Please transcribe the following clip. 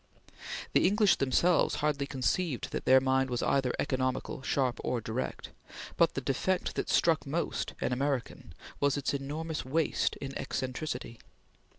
The English themselves hardly conceived that their mind was either economical, sharp, or direct; but the defect that most struck an American was its enormous waste in eccentricity.